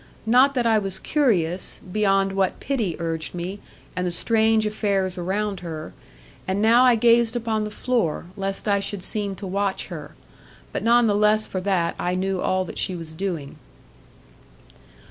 Not that I was curious, beyond what pity urged me and the strange affairs around her; and now I gazed upon the floor, lest I should seem to watch her; but none the less for that I knew all that she was doing.